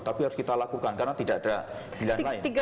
tapi harus kita lakukan karena tidak ada pilihan lain